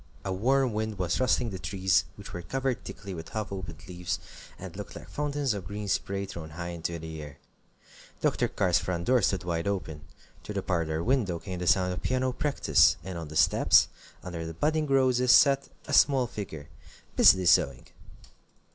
A warm wind was rustling the trees, which were covered thickly with half opened leaves, and looked like fountains of green spray thrown high into the air. Dr. Carr's front door stood wide open. Through the parlor window came the sound of piano practice, and on the steps, under the budding roses, sat a small figure, busily sewing.